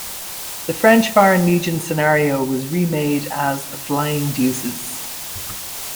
The French Foreign Legion scenario was remade as "The Flying Deuces".